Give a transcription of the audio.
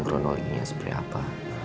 kronologinya seperti apa